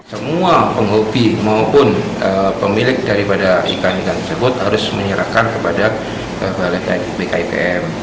semua penghobi maupun pemilik daripada ikan ikan tersebut harus menyerahkan kepada balai dari bkipm